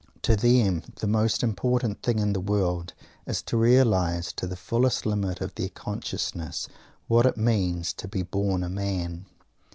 To them the most important thing in the world is to realize to the fullest limit of their consciousness what it means to be born a Man.